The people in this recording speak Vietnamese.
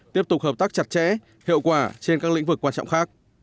tiếp tục hợp tác chặt chẽ hiệu quả trên các lĩnh vực quan trọng khác